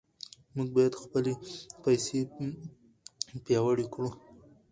موږ باید خپلې پیسې پیاوړې کړو.